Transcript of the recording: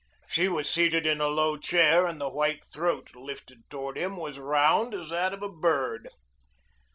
She was seated in a low chair and the white throat lifted toward him was round as that of a bird.